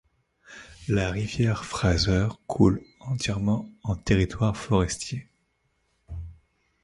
La rivière Fraser coule entièrement en territoire forestier.